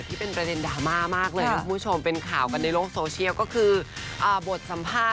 เจนไม่มีอะไรคุยแล้วหนูคุยกับพี่หนูก็คุยเหมือนเดิมนะ